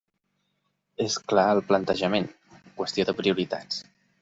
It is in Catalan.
És clar el plantejament: qüestió de prioritats.